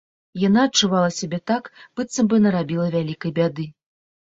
Яна адчувала сябе так, быццам бы нарабіла вялікай бяды.